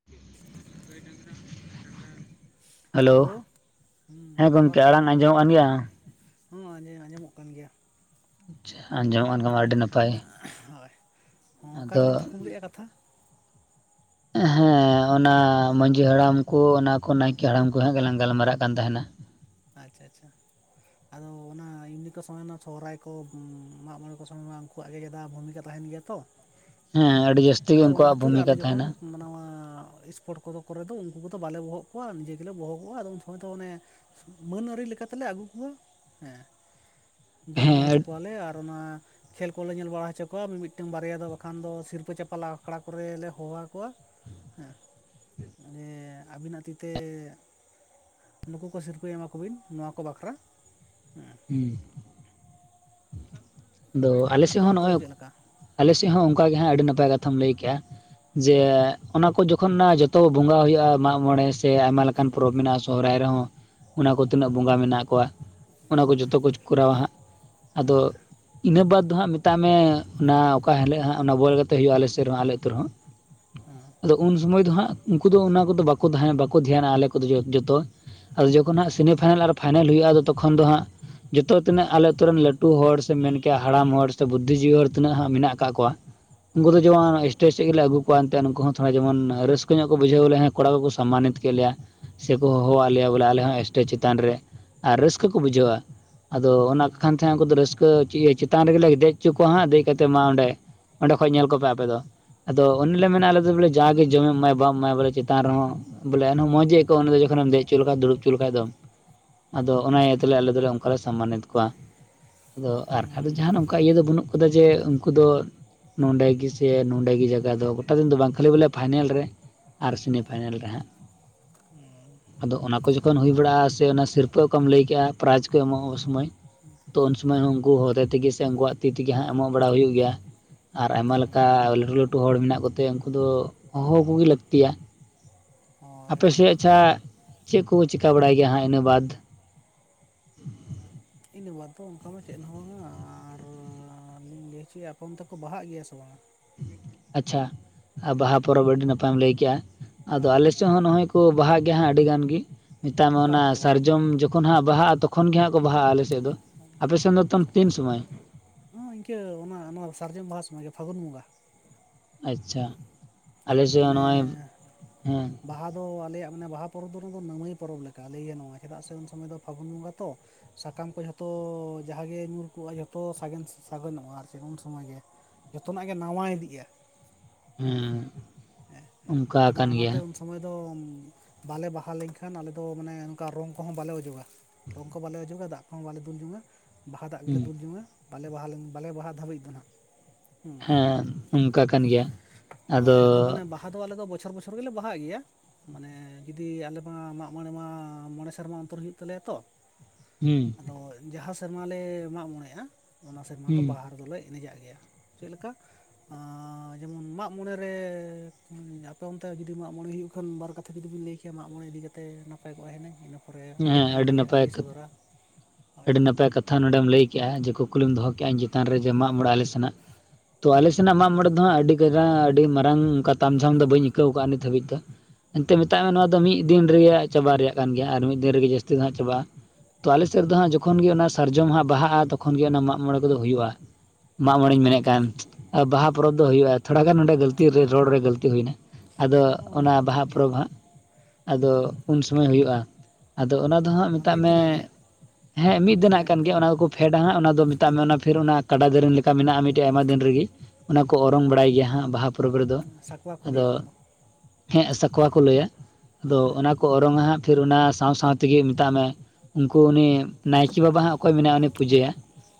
[inaudible] ᱜᱟᱹᱭ ᱰᱟᱝᱨᱟ hello, hello ᱦᱩᱸ ᱦᱮᱸ ᱜᱚᱝᱠᱮ ᱟᱲᱟᱝ ᱟᱸᱡᱚᱢᱚᱜ ᱠᱟᱱ ᱜᱮᱭᱟ? ᱦᱩᱸ ᱟᱸᱡᱮ ᱟᱡᱚᱢᱚᱜ ᱠᱟᱱ ᱜᱮᱭᱟ ᱾ ᱟᱪᱪᱷᱟ, ᱟᱸᱡᱚᱢᱚᱜ ᱠᱟᱱ ᱠᱷᱟᱡ ᱢᱟ ᱟᱹᱰᱤ ᱱᱟᱯᱟᱭ ᱾ ᱦᱚᱭ, ᱦᱚᱸ ᱚᱠᱟᱨᱞᱤᱧ ᱛᱷᱩᱠᱩᱢ ᱞᱮᱜᱼᱟ ᱠᱟᱛᱷᱟ? ᱦᱮᱸ ᱚᱱᱟ ᱢᱟᱹᱡᱷᱤ ᱦᱟᱲᱟᱢ ᱠᱚ ᱚᱱᱟ ᱠᱚ ᱱᱟᱭᱠᱮ ᱦᱟᱲᱟᱢ ᱠᱚ ᱦᱟᱜ ᱜᱮᱞᱟᱝ ᱜᱟᱞᱢᱟᱨᱟᱜ ᱠᱟᱱ ᱛᱟᱦᱮᱱᱟ ᱾ ᱟᱪᱪᱷᱟ ᱟᱪᱪᱷᱟ ᱾ ᱟᱫᱚ ᱚᱱᱟ ᱮᱢᱱᱤ ᱠᱚ ᱥᱚᱢᱚᱭ ᱢᱟ ᱥᱚᱦᱨᱟᱭ ᱠᱚ ᱢᱟᱜ ᱢᱚᱬᱮ ᱠᱚ ᱥᱚᱢᱚᱭ ᱢᱟ ᱩᱱᱠᱩᱣᱟᱜ ᱜᱮ ᱜᱮᱫᱟ ᱵᱷᱩᱢᱤᱠᱟ ᱛᱟᱦᱮᱱ ᱜᱮᱭᱟ ᱛᱚ ᱾ [unintelligible] ᱟᱹᱰᱤ ᱡᱟᱹᱥᱛᱤ [unintelligible] ᱜᱮ ᱟᱫᱚ ᱚᱱᱟ ᱩᱱᱠᱩᱣᱟᱜ ᱠᱷᱟᱹᱛᱤᱨ ᱟᱞᱮ ᱵᱷᱩᱢᱤᱠᱟ ᱡᱚᱠᱷᱚᱱ ᱛᱟᱦᱮᱱᱟ ᱱᱚᱣᱟᱻ [unintelligible] ᱠᱚᱫᱚ ᱠᱚᱨᱮ ᱫᱚ ᱩᱱᱠᱩ ᱠᱚᱫᱚ ᱵᱟᱞᱮ ᱵᱚᱦᱚᱜ ᱠᱚᱣᱟ ᱱᱤᱡᱮ ᱜᱮᱞᱮ ᱵᱚᱦᱚᱜᱼᱟ, ᱟᱫᱚ ᱩᱱ ᱥᱚᱢᱚᱭ ᱫᱚ ᱚᱱᱮ ᱢᱟᱹᱱ ᱟᱹᱨᱤ ᱞᱮᱠᱟ ᱛᱮᱞᱮ ᱟᱹᱜᱩ ᱠᱚᱣᱟ ᱦᱮᱸ, ᱡᱚᱢ ᱧᱩ ᱦᱚᱪᱚ ᱦᱮᱸ ᱠᱚᱣᱟᱞᱮ ᱟᱨ [unintelligible] ᱚᱱᱟ ᱠᱷᱮᱞ ᱠᱚᱞᱮ ᱧᱮᱞ ᱵᱟᱲᱟ ᱦᱚᱪᱚ ᱠᱚᱣᱟ ᱢᱤ ᱢᱤᱫᱴᱟᱝ ᱵᱟᱨᱭᱟ ᱫᱚ ᱵᱟᱠᱷᱟᱱ ᱫᱚ ᱥᱤᱨᱯᱟᱹ ᱪᱟᱯᱟᱞ ᱟᱠᱷᱲᱟ ᱠᱚᱨᱮ ᱞᱮ ᱦᱚᱦᱚᱣᱟ ᱠᱚᱣᱟ ᱾ ᱦᱮᱸ, ᱡᱮ ᱟᱹᱵᱤᱱᱟᱜ ᱛᱤ ᱛᱮ ᱱᱩᱠᱩ ᱠᱚ ᱥᱤᱨ ᱯᱟᱹ ᱮᱢᱟ ᱠᱚᱵᱤᱱ ᱱᱚᱣᱟ ᱠᱚ ᱵᱟᱠᱷᱨᱟ, ᱦᱮᱸ ᱾ ᱦᱩᱸ ᱾ ᱟᱫᱚ ᱟᱞᱮ ᱥᱮᱫ ᱟᱯᱮ ᱦᱚᱸ ᱚᱱᱛᱮ ᱱᱚᱜ-ᱚᱭ ᱫᱚ ᱪᱮᱫ ᱞᱮᱠᱟ ᱟᱞᱮ ᱥᱮᱫ ᱦᱚᱸ ᱚᱱᱠᱟ ᱜᱮ ᱦᱟᱸᱜ ᱟᱹᱰᱤ ᱱᱟᱯᱟᱭ ᱠᱟᱛᱷᱟᱢ ᱞᱟᱹᱭ ᱠᱮᱜᱼᱟ ᱾ ᱡᱮ ᱚᱱᱟᱠᱚ ᱡᱚᱠᱷᱚᱱ ᱡᱷᱚᱛᱚ ᱵᱚᱸᱜᱟ ᱦᱩᱭᱩᱜᱼᱟ ᱢᱟᱜ ᱢᱚᱬᱮ ᱥᱮ ᱟᱭᱢᱟ ᱞᱮᱠᱟᱱ ᱯᱚᱨᱚᱵ ᱢᱮᱱᱟᱜᱼᱟ ᱥᱚᱨᱦᱟᱭ ᱨᱮᱦᱚᱸ ᱚᱱᱟ ᱠᱚ ᱛᱤᱱᱟᱹᱜ ᱵᱚᱸᱜᱟ ᱢᱮᱱᱟᱜ ᱠᱚᱣᱟ ᱾ ᱚᱱᱟ ᱠᱚ ᱡᱷᱚᱛᱚ ᱠᱚᱪ ᱠᱚᱨᱟᱣᱟ ᱦᱟᱸᱜ, ᱟᱫᱚ ᱤᱱᱟᱹ ᱵᱟᱫ ᱫᱚ ᱦᱟᱸᱜ ᱢᱮᱛᱟᱜ ᱢᱮ ᱚᱱᱟ ᱚᱠᱟ ᱦᱤᱞᱳᱜ ᱦᱟᱸᱜ ᱚᱱᱟ ᱵᱚᱞ ᱜᱟᱛᱮ ᱦᱳᱭᱳᱜᱼᱟ ᱟᱞᱮ ᱥᱮᱫ ᱨᱮᱦᱚᱸ ᱟᱞᱮ ᱟᱹᱛᱩ ᱨᱮᱦᱚᱸ ᱾ [inaudible] ᱦᱩᱸ ᱾ ᱟᱫᱚ ᱩᱱ ᱥᱚᱢᱚᱭ ᱫᱚ ᱦᱟᱸᱜ ᱩᱱᱠᱩ ᱫᱚ ᱚᱱᱟ ᱠᱚᱫᱚ ᱵᱟᱠᱚ ᱛᱟᱦᱮᱱᱟ᱾ ᱵᱟᱠᱚ ᱫᱷᱮᱭᱟᱱᱟᱜᱼᱟ ᱟᱞᱮ ᱠᱚᱫᱚ ᱡᱷᱚᱛᱚ ᱟᱫᱚ ᱡᱚᱠᱷᱚᱱ ᱦᱟᱸᱜ ᱥᱮᱱᱤ ᱯᱷᱟᱭᱱᱮᱞ ᱟᱨ ᱯᱷᱟᱭᱱᱮᱞ ᱦᱩᱭᱩᱜᱼᱟ ᱾ ᱟᱫᱚ ᱛᱚᱠᱷᱚᱱ ᱫᱚ ᱦᱟᱸᱜ ᱡᱷᱚᱛᱚ ᱤᱱᱟᱹᱜ ᱟᱞᱮ ᱟᱹᱛᱩ ᱨᱮᱱ ᱞᱟᱹᱴᱩ ᱦᱚᱲ ᱥ ᱮᱢ ᱢᱮᱱ ᱠᱮᱜᱼᱟ ᱦᱟᱲᱟᱢ ᱦᱚᱲ ᱥᱮ ᱵᱩᱫᱽᱫᱷᱤ ᱡᱤᱵᱤ ᱦᱚᱲ ᱛᱤᱱᱟᱹᱜ ᱦᱟᱸᱜ ᱢᱮᱱᱟᱜ ᱟᱠᱟᱫ ᱠᱚᱣᱟ ᱾ ᱦᱩᱸ ᱩᱱᱠᱩ ᱫᱚ ᱡᱮᱢᱚᱱ [unintelligible] ᱥᱮᱫ ᱜᱮᱞᱮ ᱟᱜᱩ ᱠᱚᱣᱟ, ᱮᱱᱛᱮ ᱩᱱᱠᱩ ᱦᱚᱸ ᱛᱷᱚᱲᱟ ᱡᱮᱢᱚᱱ ᱨᱟᱹᱥᱠᱟᱹ ᱧᱚᱜ ᱠᱚ ᱵᱩᱡᱷᱟᱹᱣ ᱵᱚᱞᱮ ᱠᱚᱲᱟ ᱠᱚᱠᱚ ᱥᱚᱢᱟᱱᱤᱛ ᱠᱮᱫ ᱞᱮᱭᱟ ᱥᱮ ᱠᱚ ᱦᱚᱦᱚᱣᱟᱜ ᱞᱮᱭᱟ, ᱵᱚᱞᱮ ᱟᱞᱮ ᱦᱚᱸ ᱥᱴᱮᱡᱽ ᱪᱮᱛᱟᱱ ᱨᱮ ᱟᱨ ᱨᱟᱹᱥᱠᱟᱹ ᱠᱚ ᱵᱩᱡᱷᱟᱹᱣᱟ ᱾ ᱟᱫᱚ ᱚᱱᱟ ᱠᱷᱟᱱ ᱛᱟᱦᱮᱸ ᱩᱱᱠᱩ ᱫᱚ ᱨᱟᱹᱥ [unintelligible] ᱪᱮᱛᱟᱱ ᱨᱮᱜᱮ ᱞᱮ ᱫᱮᱡ ᱦᱚᱪᱚ ᱠᱚᱣᱟ ᱦᱟᱸᱜ ᱫᱮᱡ ᱠᱟᱛᱮᱜ ᱢᱟ ᱚᱸᱰᱮ ᱚᱸᱰᱮ ᱠᱷᱚᱡ ᱧᱮᱞ ᱠᱚᱯᱮ ᱟᱯᱮ ᱫᱚ ᱾ ᱟᱫᱚ ᱚᱱᱦᱤᱞᱚᱜ ᱢᱮᱱᱟ ᱟᱞᱮ ᱫᱚ ᱵᱚᱞᱮ ᱡᱟᱜᱮ ᱡᱚᱢᱮᱢ ᱮᱢᱟᱭ ᱵᱟᱢ ᱮᱢᱟᱭᱟ ᱵᱚᱞᱮ ᱪᱮᱛᱟᱱ ᱨᱮᱦᱚᱸ ᱵᱚᱞᱮ ᱮᱱᱦᱚᱜ ᱢᱚᱡᱽ ᱜᱮ ᱦᱩᱸ ᱟᱹᱭᱠᱟᱹᱭ-ᱟ ᱾ ᱩᱱᱤ ᱫᱟ ᱡᱚᱠᱷᱚᱱᱮᱢ ᱫᱮᱡ ᱚᱪᱚ ᱞᱮᱠᱷᱟᱡ ᱫᱩᱲᱩᱵ ᱚᱪᱚ ᱞᱮᱠᱷᱟᱡ ᱫᱚ ᱾ ᱟᱫᱚ ᱚᱱᱟ ᱤᱭᱟᱹ ᱛᱮᱞᱮ ᱟᱞᱮ ᱫᱚᱞᱮ ᱚᱱᱠᱟ ᱞᱮ ᱥᱚᱢᱢᱟᱱᱤᱛ ᱠᱚᱣᱟ ᱾ ᱟᱫᱚ ᱟᱨᱠᱟᱡ ᱫᱚ ᱦᱩᱸ ᱡᱟᱦᱟᱱ ᱚᱱᱠᱟ ᱤᱭᱟᱹ ᱫᱚ ᱵᱟᱹᱱᱩᱜ ᱠᱟᱫᱟ ᱡᱮ, ᱩᱱᱠᱩ ᱫᱚ ᱱᱚᱰᱮ ᱜᱮ ᱥᱮ ᱱᱚᱰᱮ ᱜᱮ ᱡᱟᱭᱜᱟ ᱫᱚ ᱜᱚᱴᱟ ᱫᱤᱱ ᱫᱚ ᱵᱟᱝ ᱠᱷᱟᱹᱞᱤ ᱵᱚᱞᱮ ᱯᱷᱟᱭᱱᱮᱞ ᱨᱮ ᱟᱨ ᱥᱮᱢᱤ ᱯᱷᱟᱭᱱᱮᱞ ᱨᱮ ᱦᱟᱸᱜ ᱾ ᱚᱸ ᱾ ᱟᱫᱚ ᱚᱱᱟ ᱠᱚ ᱡᱚᱠᱷᱚᱱ ᱦᱩᱭ ᱵᱟᱲᱟᱜᱼᱟ ᱥᱮ ᱚᱱᱟ ᱥᱤᱨᱯᱟᱹ ᱠᱚᱢ ᱞᱟᱹᱭ ᱠᱮᱜᱼᱟ ᱯᱨᱟᱭᱤᱡ ᱠᱚ ᱮᱢᱚᱜ-ᱚᱜ ᱥᱚᱢᱚᱭ, ᱛᱚ ᱩᱱ ᱥᱚᱢᱚᱭ ᱦᱚᱸ ᱩᱱᱠᱩ ᱦᱚᱛᱮᱜ ᱛᱮᱜᱮ ᱥᱮ ᱩᱱᱠᱩᱣᱟᱜ ᱛᱤ ᱛᱮᱜᱮ ᱦᱟᱸᱜ ᱮᱢᱚᱜ ᱵᱟᱲᱟ ᱦᱩᱭᱩᱜ ᱜᱮᱭᱟ ᱾ ᱟᱨ ᱟᱭᱢᱟ ᱞᱮᱠᱟ ᱞᱟᱹᱴᱩ ᱞᱟᱹᱴᱩ ᱦᱚᱲ ᱢᱮᱱᱟᱜ ᱠᱚᱛᱮ ᱩᱱᱠᱩ ᱫᱚ ᱦᱚᱦᱚ [unintelligible] ᱜᱮ ᱞᱟᱹᱠᱛᱤᱭᱟ ᱾ ᱦᱳᱭ ᱟᱯᱮ ᱥᱮᱫ ᱟᱪᱪᱷᱟ, ᱪᱮᱫ ᱠᱚ ᱠᱚ ᱪᱤᱠᱟ ᱵᱟᱲᱟᱭ ᱜᱮᱭᱟ ᱦᱟᱸᱜ ᱤᱱᱟᱹ ᱵᱟᱫᱽ? [inaudible] ᱤᱱᱟᱹ ᱵᱟᱫᱽ ᱫᱚ ᱚᱱᱠᱟ ᱢᱟ ᱪᱮᱫ ᱦᱚᱸ ᱵᱟᱝ-ᱟ ᱾ ᱟᱨ ᱞᱤᱧ ᱞᱟᱹᱭ ᱦᱚᱪᱚᱭᱮᱫ-ᱟ ᱟᱯᱮ ᱚᱱᱛᱮ ᱠᱚ ᱵᱟᱦᱟᱜ ᱜᱮᱭᱟ ᱥᱮ ᱵᱟᱝ-ᱟ? ᱟᱪᱪᱷᱟ ᱟᱨ ᱵᱟᱦᱟ ᱯᱚᱨᱚᱵᱽ ᱟᱹᱰᱤ ᱱᱟᱯᱟᱭᱮᱢ ᱞᱟᱹᱭᱠᱮᱜᱼᱟ ᱾ ᱟᱫᱚ ᱦᱳᱭ ᱟᱞᱮ ᱥᱮᱫ ᱦᱚᱸ ᱱᱚᱜᱚᱭ ᱠᱚ ᱵᱟᱦᱟᱜ ᱜᱮᱭᱟ ᱦᱟᱸᱜ ᱟᱹᱰᱤ ᱜᱟᱱ ᱜᱮ ᱾ ᱱᱮᱛᱟᱨ ᱢᱟ ᱚᱠᱟ ᱚᱱᱟ ᱚᱠᱛᱚ ᱥᱟᱨᱡᱚᱢ ᱡᱚ ᱠᱷᱚᱱ ᱦᱟᱸᱜ ᱵᱟᱦᱟᱜᱼᱟ ᱛᱚᱠᱷᱚᱱ ᱜᱮ ᱦᱟᱸᱜ ᱠᱚ ᱵᱟᱦᱟᱜᱼᱟ ᱟᱞᱮ ᱥᱮᱫ ᱫᱚ ᱾ ᱟᱯᱮ ᱥᱮᱱ ᱫᱚ ᱟᱪᱪᱷᱟ [unintelligible] ᱛᱤᱱ ᱠᱟᱱᱟ ᱥᱩᱢᱚᱭ? ᱦᱚᱸ ᱤᱱᱠᱟᱹ ᱚᱱᱟ ᱥᱟᱨᱡᱚᱢ ᱵᱟᱦᱟ ᱥᱚᱢᱚᱭ ᱜᱮ ᱯᱷᱟᱹᱜᱩᱱ ᱵᱚᱸᱜᱟ ᱾ ᱟᱪᱪᱷᱟ, ᱟᱞᱮ ᱥᱮᱫ ᱦᱚᱸ ᱱᱚᱜ-ᱚᱭ ᱢᱟᱱᱮ ᱦᱮᱸ ᱾ ᱵᱟᱦᱟ ᱫᱚ ᱟᱞᱮᱭᱟᱜ ᱢᱟᱱᱮ ᱵᱟᱦᱟ ᱯᱚᱨᱚᱵᱽ ᱫᱚ ᱚᱱᱟ ᱫᱚ ᱱᱟᱹᱢᱟᱹᱭ ᱯᱚᱨᱚᱵᱽ ᱞᱮᱠᱟ ᱞᱟᱹᱭ ᱜᱟᱱᱚᱜᱼᱟ, ᱪᱮᱫᱟᱜ ᱥᱮ ᱩᱱ ᱥᱚᱢᱚᱭ ᱫᱚ ᱯᱷᱟᱹᱜᱩᱱ ᱵᱚᱸᱜᱟ ᱛᱚ ᱾ ᱥᱟᱠᱟᱢ ᱠᱚ ᱡᱷᱚᱛᱚ ᱡᱟᱦᱟ ᱜᱮ ᱧᱩᱨ ᱠᱚᱜ-ᱟ ᱡᱷᱚᱛᱚ ᱥᱟᱜᱮᱱ ᱥᱟᱜᱮᱱ ᱚᱜᱼᱟ ᱟᱨᱠᱤ ᱩᱱ ᱥᱚᱢᱚᱭ ᱜᱮ ᱾ ᱡᱷᱚᱛᱚᱱᱟᱜ ᱜᱮ ᱱᱟᱣᱟ ᱤᱫᱤᱜ-ᱟ ᱾ ᱦᱮᱸ, ᱚᱱᱠᱟ ᱟᱫᱚ ᱟᱠᱟᱱ ᱜᱮᱭᱟ ᱚᱱᱟᱛᱮ ᱾ ᱩᱱ ᱥᱚᱢᱚᱭ ᱫᱚ ᱵᱟᱞᱮ ᱵᱟᱦᱟ ᱞᱮᱱᱠᱷᱟᱱ ᱟᱞᱮ ᱫᱚ ᱢᱟᱱᱮ ᱱᱚᱝᱠᱟ ᱨᱚᱝ ᱠᱚᱦᱚᱸ ᱵᱟᱞᱮ ᱚᱡᱚᱜᱟ ᱾ ᱨᱚᱝ ᱠᱚ ᱵᱟᱞᱮ ᱚᱡᱚᱜᱟ ᱫᱟᱜ ᱠᱚᱦᱚᱸ ᱵᱟᱞᱮ ᱫᱩᱞ ᱡᱚᱝ-ᱟ ᱾ ᱵᱟᱦᱟ ᱫᱟᱜ ᱜᱮᱞᱮ ᱦᱮᱸ ᱫᱩᱞ ᱡᱚᱝᱟ-ᱟ ᱾ ᱵᱟᱞᱮ ᱵᱟᱦᱟ ᱞᱮᱱ ᱵᱟᱞᱮ ᱵᱟᱦᱟ ᱫᱷᱟᱹᱵᱤᱡ ᱫᱚ ᱱᱟᱦᱟᱸᱜ ᱾ ᱦᱮᱸ ᱚᱝᱠᱟ ᱠᱟᱱ ᱜᱮᱭᱟ ᱾ ᱟᱫᱚ ᱦᱳᱭ ᱢᱟᱱᱮ ᱵᱟᱦᱟ ᱫᱚ ᱟᱞᱮ ᱫᱚ ᱵᱚᱪᱷᱚᱨ ᱵᱪᱷᱚᱨ ᱜᱮᱞᱮ ᱵᱟᱦᱟᱜ ᱜᱮᱭᱟ ᱾ ᱢᱟᱱᱮ ᱡᱩᱫᱤ ᱟᱞᱮ ᱢᱟ ᱢᱟᱜ ᱢᱚᱬᱮ ᱢᱟ ᱢᱚᱬᱮ ᱥᱮᱨᱢᱟ ᱚᱱᱛᱚᱨ ᱦᱩᱭᱩᱜ ᱛᱟᱞᱮᱭᱟ ᱛᱚ ᱾ ᱦᱩᱸ ᱾ ᱟᱫᱚ ᱡᱟᱦᱟ ᱥᱮᱨᱢᱟᱞ ᱞᱮ ᱢᱟᱜ ᱢᱚᱬᱮᱜ-ᱟ, ᱚᱱᱟ ᱥᱮᱨᱢᱟ ᱫᱚ ᱦᱮᱸ ᱵᱟᱦᱟ ᱨᱮᱫ ᱞᱮ ᱮᱱᱮᱡᱟᱜ ᱜᱮᱭᱟ ᱾ ᱪᱮᱫ ᱞᱮᱠᱟ, ᱡᱮᱢᱚᱱ ᱢᱟᱜ ᱢᱚᱬᱮ ᱨᱮ ᱟᱯᱮ ᱚᱱᱛᱮ ᱡᱩᱫᱤ ᱢᱟᱜ ᱢᱚᱬᱮ ᱦᱩᱭᱩᱜ ᱠᱷᱟᱱ ᱵᱟᱨ ᱠᱟᱛᱷᱟ ᱡᱩᱫᱤ ᱵᱮᱱ ᱞᱟᱹᱭ ᱠᱮᱭᱟ ᱢᱟᱜ ᱢᱚᱬᱮ ᱤᱫᱤ ᱠᱟᱛᱮ ᱱᱟᱯᱟᱭ ᱠᱚᱜ-ᱟ ᱦᱤᱱᱟᱹᱝ ᱾ ᱤᱱᱟᱹ ᱛᱟᱯᱚᱨᱮ ᱟᱹᱞᱤᱧ ᱦᱮᱸ ᱦᱚᱞᱤᱧ ᱟᱹᱰᱤ ᱞᱟᱹᱭᱟ ᱟᱨ ᱱᱟᱯᱟᱭ ᱞᱤᱧ ᱥᱚᱫᱚᱨᱟ, ᱦᱳᱭ ᱟᱹᱰᱤ ᱾ ᱱᱟᱯᱟᱭ ᱠᱟᱛᱷᱟ ᱱᱚᱰᱮᱢ ᱞᱟᱹᱭ ᱠᱮᱫᱮᱜ-ᱟ ᱡᱮ, ᱠᱩᱠᱞᱤᱢ ᱫᱚᱦᱚ ᱠᱮᱜ-ᱟ ᱤᱧ ᱪᱮᱛᱟᱱ ᱨᱮ ᱢᱟᱜ ᱢᱚᱬᱮ ᱟᱞᱮ ᱥᱮᱱᱟᱜ ᱛᱚ ᱟᱞᱮ ᱥᱮᱱᱟᱜ ᱢᱟᱜ ᱢᱚᱬᱮ ᱫᱚ ᱦᱟᱸᱜ ᱟᱹᱰᱤ ᱠᱟᱡᱟ ᱟᱹᱰᱤ ᱢᱟᱨᱟᱝ ᱚᱱᱠᱟ ᱛᱟᱢ ᱡᱷᱟᱢ ᱫᱚ ᱵᱟᱹᱧ ᱟᱹᱭᱠᱟᱹᱣ ᱟᱠᱟᱫ-ᱟ ᱱᱤᱛ ᱫᱷᱟᱹᱵᱤᱡ ᱫᱚ ᱾ ᱮᱱᱛ ᱢᱮᱛᱟᱜ ᱢᱮ ᱱᱚᱣᱟ ᱫᱚ ᱢᱤᱫ ᱫᱤᱱ ᱨᱮᱭᱟᱜ ᱪᱟᱵᱟ ᱨᱮᱭᱟᱜ ᱠᱟᱱ ᱜᱮᱭᱟ ᱟᱨ ᱢᱤᱫ ᱫᱤᱱ ᱨᱮᱜᱮ ᱡᱟᱹᱥᱛᱤ ᱫᱚ ᱦᱟᱸᱜ ᱪᱟᱵᱟᱜ-ᱟ ᱾ ᱛᱚ ᱟᱞᱮ ᱥᱮᱫ ᱨᱮ ᱫᱚ ᱦᱟᱸᱜ ᱡᱚᱠᱷᱚᱱ ᱜᱮ ᱚᱱᱟ ᱥᱟᱨᱡᱚᱢ ᱦᱟᱸᱜ ᱵᱟᱦᱟᱜ-ᱟ, ᱛᱚᱠᱷᱚᱱ ᱜᱮ ᱚᱱᱟ ᱢᱟᱜ ᱢᱚᱬᱮ ᱠᱚᱫᱚ ᱦᱩᱭᱩᱜ-ᱟ ᱾ ᱢᱟᱜ ᱢᱚᱬᱮᱧ ᱢᱮᱱᱮᱫ ᱟᱪᱪᱷᱟ ᱠᱟᱱ, ᱟᱪᱪᱷᱟ ᱵᱟᱦᱟ ᱯᱚᱨᱚᱵᱽ ᱫᱚ ᱦᱩᱭᱩᱜᱼᱟ ᱛᱷᱚᱲᱟ ᱜᱟᱱ ᱱᱚᱸᱰᱮ ᱜᱟᱹᱞᱛᱤ ᱦᱮᱸ ᱨᱮ ᱨᱚᱲ ᱨᱮ ᱜᱟᱹᱞᱛᱤ ᱦᱩᱭ ᱮᱱᱟ ᱾ ᱟᱫᱚ ᱦᱚᱸ ᱚᱱᱟ ᱠᱚᱫᱚ ᱵᱟᱦᱟ ᱴᱷᱤᱠ ᱜᱮᱭᱟ ᱯᱚᱨᱚᱵᱽ ᱦᱟᱸᱜ ᱟᱫᱚ ᱩᱱ ᱥᱚᱢᱹᱭ ᱦᱩᱭᱩᱜᱼᱟ, ᱟᱫᱚ ᱚᱱᱟ ᱫᱚ ᱦᱟᱸᱜ ᱟᱨ ᱢᱮᱛᱟᱜ ᱢᱤᱫ ᱢᱮ ᱫᱤᱱᱟᱜ ᱜᱮ ᱦᱮᱸ ᱢᱤᱫ ᱫᱤᱱᱟᱜ ᱠᱟᱱ ᱜᱮᱭᱟ ᱚᱱᱟ ᱫᱚᱠᱚ ᱯᱷᱮᱰᱟ ᱦᱟᱸᱜ ᱚᱱᱟ ᱫᱚ ᱢᱮᱛᱟᱜ ᱢᱮ ᱚᱱᱟ ᱯᱷᱤᱨ ᱚᱱᱟ ᱠᱟᱰᱟ ᱫᱮᱨᱮᱧ ᱞᱮᱠᱟ ᱢᱮᱱᱟᱜᱼᱟ ᱢᱤᱫᱴᱮᱡ ᱟᱭᱢᱟ ᱫᱤᱱ ᱨᱮᱜᱮ ᱚᱱᱟ ᱠᱚ ᱚᱨᱚᱝ ᱵᱟᱲᱟᱭ ᱜᱮᱭᱟ ᱦᱟᱸᱜ ᱵᱟᱦᱟ ᱯᱚᱨᱚᱵᱽ ᱨᱮᱫᱚ ᱾ ᱥᱟᱠᱣᱟ ᱠᱚ ᱞᱟᱹᱭᱟ ᱚᱱᱟ ᱫᱚ ᱾ ᱦᱮᱸ ᱥᱟᱠᱣᱟ ᱠᱚ ᱞᱟᱹᱭᱟ, ᱦᱳᱭ ᱟᱫᱚ ᱚᱱᱟ ᱠᱚ ᱚᱨᱚᱝ-ᱟ ᱦᱟᱸᱜ ᱯᱷᱤᱨ ᱚᱱᱟ ᱥᱟᱶ-ᱥᱟᱶ ᱛᱮᱜᱮ ᱢᱮᱛᱟᱜ ᱢᱮ ᱩᱱᱠᱩ ᱩᱱᱤ ᱱᱟᱭᱠᱮ ᱵᱟᱵᱟ ᱦᱟᱸᱜ ᱚᱠᱚᱭ ᱢᱮᱱᱟᱭᱟ ᱩᱱᱤᱭ ᱯᱩᱡᱟᱹᱭᱟ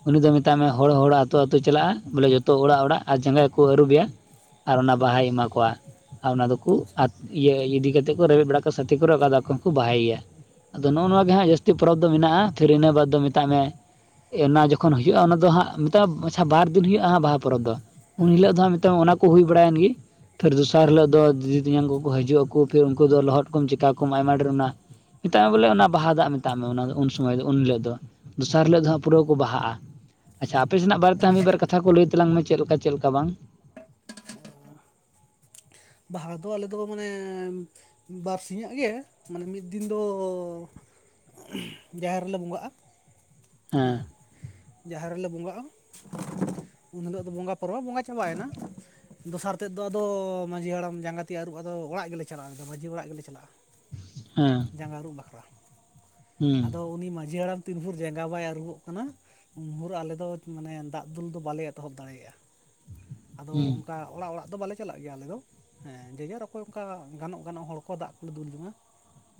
ᱩᱱᱤ ᱫᱚ ᱢᱮᱛᱜ ᱦᱮᱸ ᱢᱮ ᱦᱚᱲ ᱦᱚᱲᱟᱜ ᱟᱛᱩ ᱟᱛᱩᱭ ᱪᱟᱞᱟᱜᱼᱟ ᱵᱚᱞᱮ ᱡᱚᱛᱚ ᱚᱲᱟᱜ ᱚᱲᱟᱜ ᱟᱨ ᱡᱟᱸᱜᱟ ᱠᱚ ᱟᱹᱨᱩᱵᱮᱭᱟ ᱟᱨ ᱚᱱᱟ ᱵᱟᱦᱟᱭ ᱮᱢᱟ ᱠᱚᱣᱟ, ᱟᱨ ᱚᱱᱟ ᱫᱚᱠᱚ ᱟᱪᱪᱷᱟ [unintelligible] ᱤᱭᱟᱹ ᱤᱫᱤ ᱠᱟᱛᱮᱫ ᱠᱚ ᱨᱮᱵᱮᱫ ᱵᱟᱲᱟ ᱠᱟᱜ-ᱟ ᱥᱟᱛᱮ ᱠᱚᱨᱮ ᱚᱠᱟ ᱫᱚ ᱟᱠᱚᱦᱚᱸ ᱠᱚ ᱵᱟᱦᱟᱭ ᱜᱮᱭᱟ ᱾ ᱟᱫᱚ ᱱᱚᱜᱼᱚ ᱱᱚᱣᱟ ᱜᱮ ᱚ ᱦᱟᱸᱜ ᱡᱟᱹᱥᱛᱤ ᱯᱚᱨᱚᱵᱽ ᱫᱚ ᱢᱮᱱᱟᱜᱼᱟ ᱯᱷᱤᱨ ᱤᱱᱟᱹ ᱵᱟᱫᱽ ᱫᱚ ᱢᱮᱛᱟᱜ ᱢᱮ ᱚᱱᱟ ᱡᱚᱠᱷᱚᱱ ᱦᱩᱭᱩᱜᱼᱟ ᱚᱱᱟ ᱫᱚ ᱦᱟᱸᱜ ᱢᱮᱛᱟᱜᱼᱟ ᱟᱪᱪᱷᱟ ᱵᱟᱨ ᱫᱤᱱ ᱦᱩᱭᱩᱜᱼᱟ ᱦᱟᱸᱜ ᱵᱟᱦᱟ ᱯᱚᱨᱚᱵᱽ ᱫᱚ ᱩᱱ ᱦᱤᱞᱳᱜ ᱫᱚ ᱦᱟᱸᱜ ᱢᱮᱛᱟᱢ ᱚᱱᱟ ᱠᱚ ᱦᱩᱭ ᱵᱟᱲᱟᱭᱮᱱ ᱜᱮ, ᱯᱷᱤᱨ ᱫᱚᱥᱟᱨ ᱦᱤᱞᱳᱜ ᱫᱚ ᱫᱤᱫᱤ, ᱛᱮᱧᱟᱝ ᱠᱚᱠᱚ ᱦᱤᱡᱩᱜ ᱟᱠᱚ ᱯᱷᱤᱨ ᱩᱱᱠᱩ ᱫᱚ ᱞᱚᱦᱚᱫ ᱠᱚᱢ ᱪᱤᱠᱟ ᱠᱚᱢ ᱟᱭᱢᱟ ᱰᱷᱮᱨ ᱚᱱᱟ ᱢᱮᱛᱟᱜ ᱢᱮ ᱵᱚᱞᱮ ᱚᱱᱟ ᱵᱟᱦᱟ ᱫᱟᱜ ᱢᱮᱛᱟᱜ ᱢᱮ ᱚᱱᱟ ᱫᱚ ᱩᱱ ᱥᱚᱢᱚᱭ ᱫᱚ ᱩᱱ ᱦᱤᱞᱳ ᱫᱚᱥᱟᱨ ᱦᱤᱞᱳ ᱫᱚ ᱦᱟᱸᱜ ᱯᱩᱨᱟᱹ ᱠᱚ ᱵᱟᱦᱟᱜᱼᱟ ᱾ ᱟᱪᱪᱷᱟ ᱟᱯᱮ ᱥᱮᱱᱟᱜ ᱵᱟᱨᱮ ᱛᱮ ᱦᱚᱸᱜ ᱢᱤᱫᱵᱟᱨ ᱠᱟᱛᱷᱟ ᱠᱚ ᱞᱟᱹᱭ ᱛᱟᱞᱟᱝ ᱢᱮ ᱪᱮᱫ ᱞᱮᱠᱟ, ᱪᱮᱫ ᱞᱮᱠᱟ ᱵᱟᱝ? ᱵᱟᱦᱟ ᱫᱚ ᱟᱞᱮ ᱫᱚ ᱢᱟᱱᱮ ᱵᱟᱨ ᱥᱤᱧᱟᱜ ᱜᱮ ᱢᱟᱱᱮ ᱢᱤᱫ ᱫᱤᱱ ᱫᱚ ᱡᱟᱦᱮᱨ ᱨᱮᱞᱮ ᱵᱚᱸᱜᱟᱜᱼᱟ ᱦᱮᱸ, ᱡᱟᱦᱮᱨ ᱨᱮᱞᱮ ᱵᱚᱸᱜᱟᱜᱼᱟ ᱩᱱ ᱦᱤᱞᱳᱜ ᱫᱚ ᱵᱚᱸᱜᱟ ᱯᱚᱨᱚᱵ, ᱵᱚᱸᱜᱟ ᱪᱟᱵᱟᱭᱮᱱᱟ ᱫᱚᱥᱟᱨ ᱛᱮᱫ ᱫᱚ ᱟᱫᱚ ᱢᱟᱡᱷᱤ ᱦᱟᱲᱟᱢ ᱡᱟᱸᱜᱟ ᱛᱤ ᱟᱹᱨᱩᱵ ᱟᱫᱚ ᱚᱲᱟᱜ ᱜᱮᱞᱮ ᱪᱟᱞᱟᱜᱼᱟ ᱟᱫᱚ ᱢᱟᱡᱷᱤ ᱚᱲᱟᱜ ᱜᱮᱞᱮ ᱪᱟᱞᱟᱜᱼᱟ ᱾ ᱦᱮᱸ ᱾ ᱡᱟᱸᱜᱟ ᱟᱹᱨᱩᱵ ᱵᱟᱠᱷᱨᱟ, ᱟᱫᱚ ᱩᱱᱤ ᱢᱟᱺᱡᱷᱤ ᱦᱟᱲᱟᱢ ᱛᱤᱱ ᱵᱷᱩᱨ ᱡᱟᱸᱜᱟ ᱵᱟᱭ ᱟᱹᱨᱩᱵᱚᱜ ᱠᱟᱱᱟ ᱩᱱ ᱵᱷᱩᱨ ᱟᱞᱮ ᱫᱚ ᱢᱟᱱᱮ ᱫᱟᱜ ᱫᱩᱞ ᱫᱚ ᱵᱟᱞᱮ ᱮᱛᱚᱦᱚᱵ ᱫᱟᱲᱮᱭᱟᱜᱼᱟ ᱾ [inaudible] ᱟᱫᱚ ᱚᱱᱠᱟ ᱚᱲᱟᱜ ᱚᱲᱟᱜ ᱫᱚ ᱵᱟᱞᱮ ᱪᱟᱞᱟᱜ ᱜᱮᱭᱟ ᱟᱞᱮ ᱫᱚ ᱦᱮᱸ ᱡᱮ ᱡᱷᱟᱨ ᱚᱠᱚᱭ ᱚᱠᱟ ᱜᱟᱱᱚᱜ ᱜᱟᱱᱚᱜ ᱦᱚᱲ ᱠᱚ ᱫᱟᱜ ᱠᱚ ᱫᱩᱞ ᱡᱚᱝᱼᱟ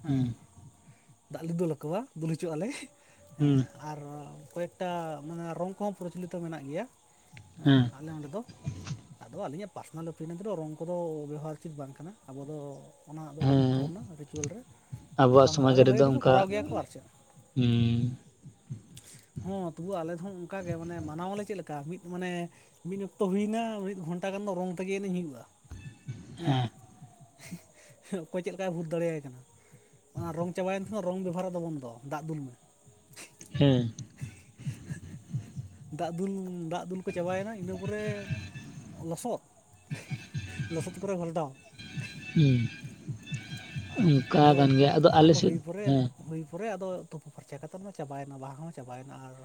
ᱦᱮᱸ, ᱦᱩᱸ ᱫᱟᱜ ᱞᱮ ᱫᱩᱞ ᱟᱠᱚᱣᱟ, ᱫᱩᱞ ᱦᱚᱪᱚᱜ ᱟᱞᱮ ᱦᱮᱸ ᱟᱨ ᱠᱚᱭᱮᱠᱴᱟ ᱢᱟᱱᱮ ᱨᱚᱝ ᱠᱚᱦᱚᱸ ᱯᱨᱚᱪᱚᱞᱤᱛᱚ ᱢᱮᱱᱟᱜ ᱜᱮᱭᱟ, ᱦᱩᱸ ᱦᱮᱸ ᱟᱞᱮ ᱚᱸᱰᱮ ᱫᱚ ᱟᱫᱚ ᱟᱹᱞᱤᱧᱟᱜ ᱯᱟᱨᱥᱚᱱᱟᱞ ᱚᱯᱤᱱᱤᱭᱥ ᱫᱚ ᱨᱚᱝ ᱠᱚᱫᱚ ᱵᱮᱣᱦᱟᱨ ᱩᱪᱤᱫ ᱵᱟᱝ ᱠᱟᱱᱟ ᱟᱵᱚ ᱫᱚ ᱚᱱᱟ ᱫᱚ ᱵᱟᱹᱱᱩᱜ ᱦᱮᱸ ᱛᱟᱵᱚᱱᱟ ᱨᱤᱪᱩᱣᱟᱹᱞ ᱨᱮ ᱟᱵᱚᱣᱟᱜ ᱵᱟᱝ ᱠᱚᱨᱟᱣ ᱥᱚᱢᱟᱡᱽ ᱜᱮ ᱵᱷᱟᱹᱜᱮ ᱨᱮᱫᱚ ᱠᱤᱱᱛᱩ ᱚᱱᱠᱟ ᱠᱚᱨᱟᱣ ᱜᱮᱭᱟ ᱠᱚ ᱟᱨ ᱪᱮᱫ ᱾ ᱦᱩᱸ [inaudible] ᱦᱚᱸ ᱛᱚᱵᱩ ᱟᱞᱮ ᱫᱚ ᱚᱱᱠᱟᱜᱮ ᱢᱟᱱᱮ ᱢᱟᱱᱟᱣᱟᱞᱮ ᱪᱮᱫ ᱞᱮᱠᱟ ᱢᱤᱫ ᱢᱟᱱᱮ ᱢᱤᱫ ᱚᱠᱛᱚ ᱦᱩᱭᱱᱟ ᱢᱤᱫ ᱜᱷᱚᱱᱴᱟ ᱜᱟᱱ ᱫᱚ ᱨᱚᱝ ᱛᱮᱜᱮ ᱮᱱᱮᱡ ᱦᱩᱭᱩᱜᱼᱟ ᱾ ᱦᱮᱸ, ᱚᱠᱚᱭ ᱪᱮᱫ ᱞᱮᱠᱟᱭ ᱵᱷᱩᱛ ᱫᱟᱲᱮᱭᱟᱭ ᱠᱟᱱᱟ ᱚᱱᱟ ᱨᱚᱝ ᱪᱟᱵᱟᱭᱮᱱ ᱠᱷᱟᱱ ᱫᱚ ᱨᱚᱝ ᱵᱮᱵᱚᱦᱟᱨ ᱫᱚ ᱵᱚᱱᱫᱚ ᱫᱟᱜ ᱫᱩᱞ ᱢᱮ ᱾ ᱦᱮᱸ ᱾ ᱫᱟᱜ ᱫᱩᱞ ᱫᱟᱜ ᱫᱩᱞ ᱠᱚ ᱪᱟᱵᱟᱭᱮᱱᱟ ᱤᱱᱟᱹ ᱯᱚᱨᱮ ᱞᱚᱥᱚᱫ, ᱞᱚᱥᱚᱫ ᱠᱚᱨᱮ ᱜᱷᱞᱴᱟᱣ ᱾ ᱦᱮᱸ ᱾ ᱟᱫᱚ ᱚᱱᱟ ᱠᱚ ᱦᱩᱭ ᱯᱚᱨᱮ ᱦᱮᱸ ᱦᱩᱭ ᱯᱚᱨᱮ ᱟᱫᱚ ᱛᱩᱯᱩ ᱯᱷᱟᱨᱪᱟ ᱠᱟᱛᱮᱫ ᱫᱚ ᱪᱟᱵᱟᱭᱮᱱᱟ ᱵᱟᱦᱟ ᱦᱚᱸ ᱪᱟᱵᱟᱭᱮᱱᱟ ᱟᱨ